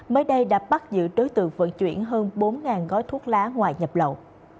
mới đây đã bắt giữ đối tượng vận chuyển hơn bốn gói thuốc lá ngoại nhập lậu